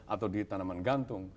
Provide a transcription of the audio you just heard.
atau di tanaman gantung